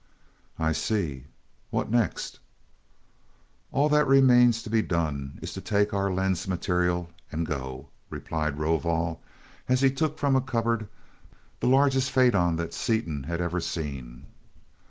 "I see. What next?" "All that remains to be done is to take our lens material and go," replied Rovol, as he took from a cupboard the largest faidon that Seaton had ever seen.